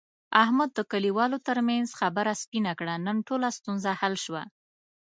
احمد د کلیوالو ترمنځ خبره سپینه کړه. نن ټوله ستونزه حل شوه.